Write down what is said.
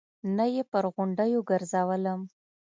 نه يې پر غونډيو ګرځولم.